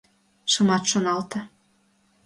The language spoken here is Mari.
Шымат шоналте.